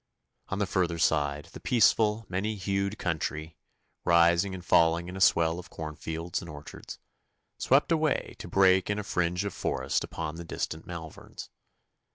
On the further side the peaceful, many hued country, rising and falling in a swell of cornfields and orchards, swept away to break in a fringe of forest upon the distant Malverns.